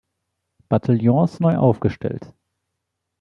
Bataillons neu aufgestellt.